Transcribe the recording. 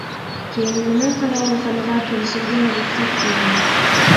كېيىن مېنىڭ قاراۋۇلخانىغا كىرىشىمگە رۇخسەت قىلدى.